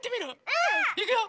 うん！いくよ！